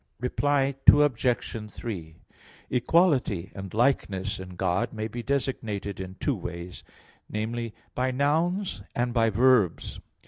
Reply Obj. 3: Equality and likeness in God may be designated in two ways namely, by nouns and by verbs.